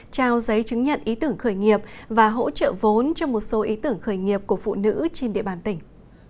trao giấy chứng nhận ý tưởng khởi nghiệp và hỗ trợ vốn cho một số ý tưởng khởi nghiệp của phụ nữ trên địa bàn tỉnh